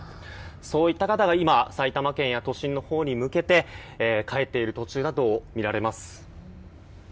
そういった方が埼玉県や都心のほうに向けて帰っている途中だとみられます。